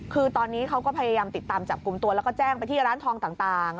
คือตอนนี้เขาก็พยายามติดตามจับกลุ่มตัวแล้วก็แจ้งไปที่ร้านทองต่าง